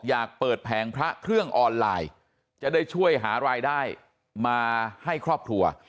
อยากเปิดแผงพระเครื่องออนไลน์จะได้ช่วยหารายได้มาให้ครอบครัว